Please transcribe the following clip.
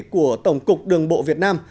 của tổng cục đường bộ việt nam